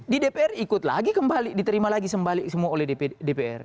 di dpr ikut lagi kembali diterima lagi sembalik semua oleh dpr